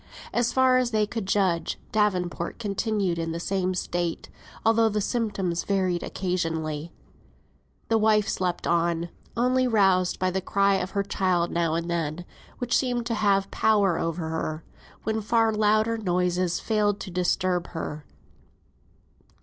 As far as they could judge, Davenport continued in the same state, although the symptoms varied occasionally. The wife slept on, only roused by a cry of her child now and then, which seemed to have power over her, when far louder noises failed to disturb her.